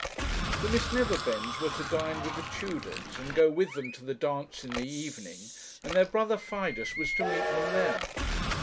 The Miss Neverbends were to dine with the Tudors, and go with them to the dance in the evening, and their brother Fidus was to meet them there.